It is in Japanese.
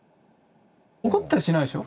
怒ったりしないでしょう？